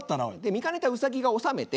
見かねたウサギが収めて。